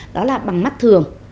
đó là bằng mắt thường